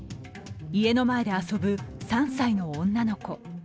家の前で遊ぶ３歳の女の子。